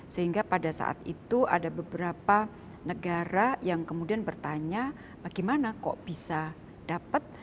sehingga pada saat itu ada beberapa negara yang kemudian bertanya bagaimana kok bisa dapat